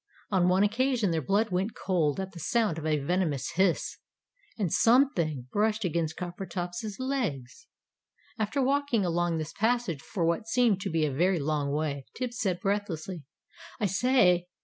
On one occasion their blood went cold at the sound of a venomous hiss! And "something" brushed against Coppertop's legs. After walking along this passage for what seemed to be a very long way, Tibbs said breathlessly "I say!